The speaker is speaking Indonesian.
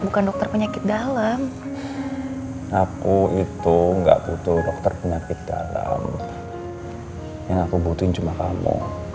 bukan dokter penyakit dalam aku itu gak butuh dokter penyakit dalam yang aku butuhin cuma kamu